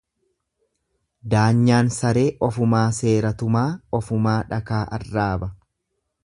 Daanyaan saree ofumaa seera tumaa ofumaa dhakaa arraaba.